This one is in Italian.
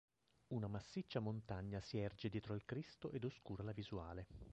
Una massiccia montagna si erge dietro al Cristo ed oscura la visuale.